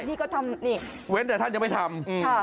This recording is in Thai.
ที่ก็ทำนี่เว้นแต่ท่านยังไม่ทำ